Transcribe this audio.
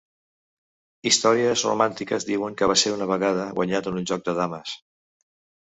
Històries romàntiques diuen que va ser una vegada guanyat en un joc de dames.